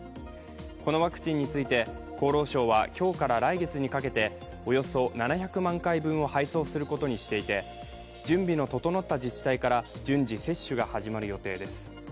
このワクチンについて厚労省は今日から来月にかけて、およそ７００万回分を配送することにしていて、準備が整った自治体から順次、接種が始まる予定です。